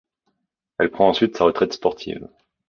Elle prend ensuite sa retraite sportive.